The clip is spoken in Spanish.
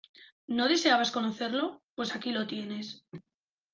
¿No deseabas conocerlo? pues aquí lo tienes.